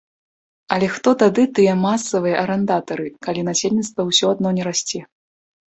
Але хто тады тыя масавыя арандатары, калі насельніцтва ўсё адно не расце.